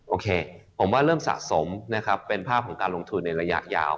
โอเคผมว่าเริ่มสะสมนะครับเป็นภาพของการลงทุนในระยะยาว